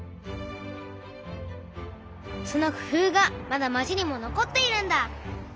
その工夫がまだ町にも残っているんだ。